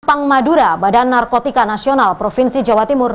bantuan anggota dprd sampang madura badan narkotika nasional provinsi jawa timur